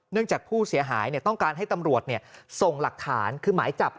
จากผู้เสียหายต้องการให้ตำรวจส่งหลักฐานคือหมายจับ